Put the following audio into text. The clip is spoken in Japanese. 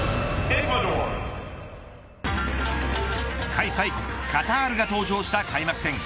開催国カタールが登場した開幕戦。